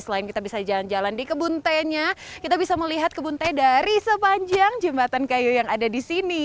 selain kita bisa jalan jalan di kebun tehnya kita bisa melihat kebun teh dari sepanjang jembatan kayu yang ada di sini